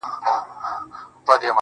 له دېيم کور چي شپېلۍ ورپسې پوُ کړه~